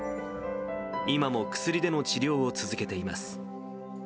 今も薬での治療を続けています。